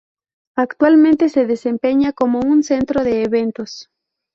Actualmente se desempeña como un centro de eventos.